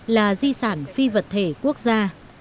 là di sản phi vật thể quốc gia